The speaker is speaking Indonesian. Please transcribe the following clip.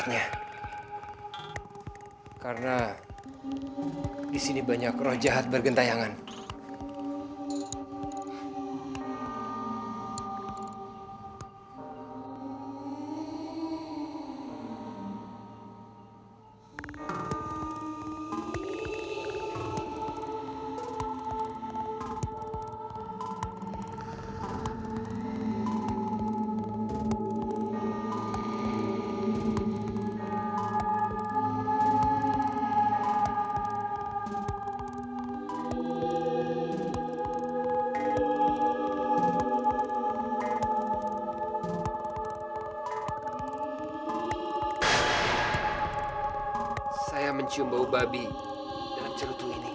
saya mencium bau babi dalam celutu ini